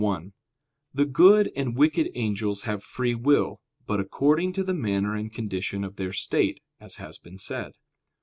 1: The good and wicked angels have free will, but according to the manner and condition of their state, as has been said.